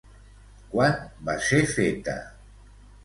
Quan va ser feta?